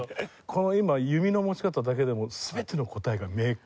この今弓の持ち方だけでも全ての答えが明確でしょ？